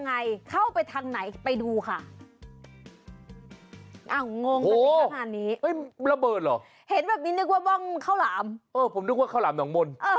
น้อยใจผู้ปกครอง